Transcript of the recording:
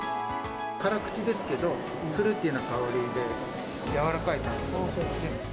辛口ですけど、フルーティーな香りで、柔らかい感じです。